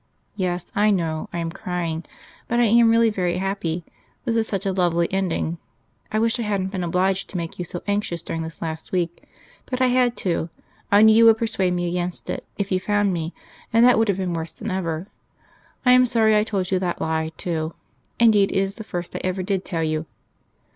Yes, I know I am crying, but I am really very happy. This is such a lovely ending. I wish I hadn't been obliged to make you so anxious during this last week: but I had to I knew you would persuade me against it, if you found me, and that would have been worse than ever. I am sorry I told you that lie, too. Indeed, it is the first I ever did tell you.